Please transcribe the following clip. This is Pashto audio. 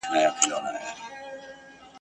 ما مي د شمعي له ګرېوان سره نصیب تړلی !.